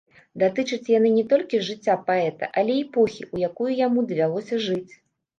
Датычаць яны не толькі жыцця паэта, але і эпохі, у якую яму давялося жыць.